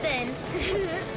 ウフフフ！